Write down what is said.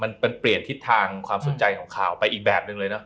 มันเปลี่ยนทิศทางความสนใจของข่าวไปอีกแบบหนึ่งเลยนะ